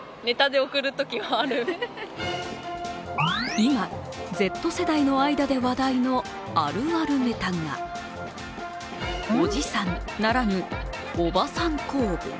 今、Ｚ世代の間で話題のあるあるネタがおじさんならぬおばさん構文。